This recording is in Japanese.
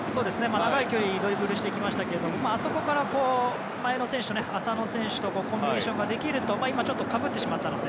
長い距離ドリブルしていきましたけどもあそこから前の浅野選手とコンビネーションできると今、ちょっとかぶってしまったので。